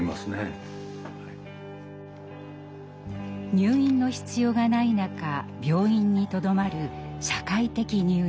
入院の必要がない中病院にとどまる社会的入院。